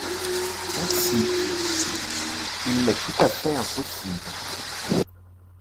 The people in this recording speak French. Merci… il m’est tout à fait impossible.